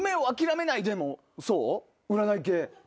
占い系？